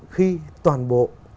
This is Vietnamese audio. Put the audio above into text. khi toàn bộ